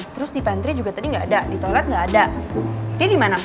terus di pantry juga tadi nggak ada di toilet nggak ada dia gimana